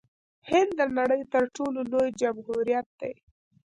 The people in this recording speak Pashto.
هند د نړۍ تر ټولو لوی جمهوریت دی.